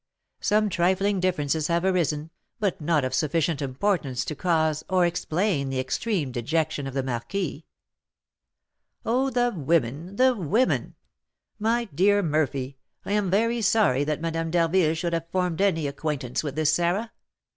Some trifling differences have arisen, but not of sufficient importance to cause or explain the extreme dejection of the marquis." "Oh, the women! the women! My dear Murphy, I am very sorry that Madame d'Harville should have formed any acquaintance with this Sarah.